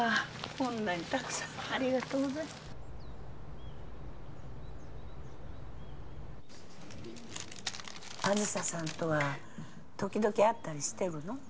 こんなにたくさんありがとうございます梓さんとは時々会ったりしとるの？